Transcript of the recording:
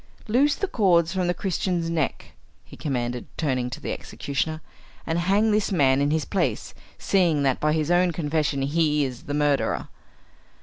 "Loose the cords from the Christian's neck," he commanded, turning to the executioner, "and hang this man in his place, seeing that by his own confession he is the murderer."